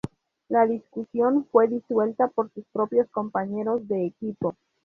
La discusión fue disuelta por sus propios compañeros de equipo.